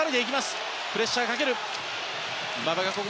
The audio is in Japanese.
プレッシャーをかける。